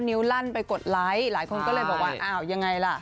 ลั่นไปกดไลค์หลายคนก็เลยบอกว่าอ้าวยังไงล่ะ